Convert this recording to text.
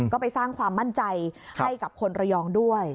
ก็ไปสร้างความมั่นใจให้กับคนระยองด้วย